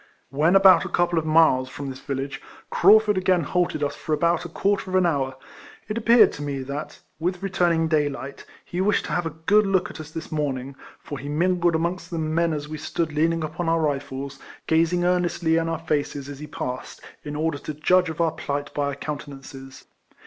When about a couple of miles from this village, Craufurd again halted us for about a quarter of an hour. It appeared to me that, with returning daylight, he wished to have a good look at us this morning, for he mingled amongst the men as we stood leaning upon our rifles, gazing earnestly in 192 RECOLLECTIONS OF our faces as he passed, in order to judge of our plight by our countenances.